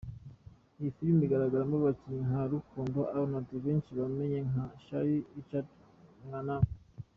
Iyi filime igaragaramo abakinnyi nka Rukundo Arnold benshi bamenye nka Shaffy, Richard Mwanangu,.